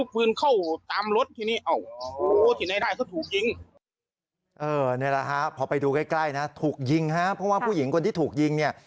เพราะว่าผู้หญิงคนที่ถูกยิงเนี่ย